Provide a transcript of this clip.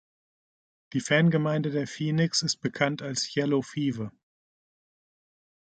Die Fangemeinde der Phoenix ist bekannt als „Yellow Fever“.